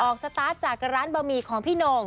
สตาร์ทจากร้านบะหมี่ของพี่โน่ง